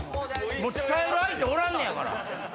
もう伝える相手おらんのやから。